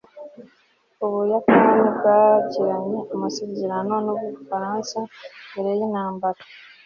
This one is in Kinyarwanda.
ubuyapani bwagiranye amasezerano n'ubufaransa mbere yintambara